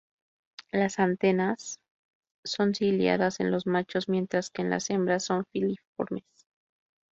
Las antenas son ciliadas en los machos, mientras que en las hembras son filiformes.